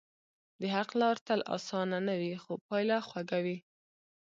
د حق لار تل آسانه نه وي، خو پایله خوږه وي.